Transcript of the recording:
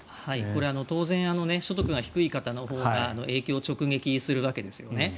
これ、当然所得が低い方のほうが影響、直撃するわけですよね。